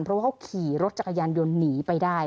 เพราะว่าเขาขี่รถจักรยานยนต์หนีไปได้